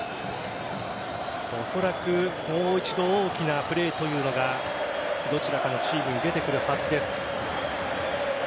おそらく、もう一度大きなプレーというのがどちらかのチームに出てくるはずです。